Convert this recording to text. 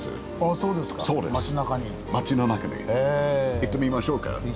行ってみましょう。